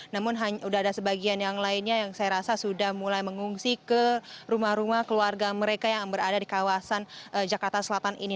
namun sudah ada sebagian yang lainnya yang saya rasa sudah mulai mengungsi ke rumah rumah keluarga mereka yang berada di kawasan jakarta selatan ini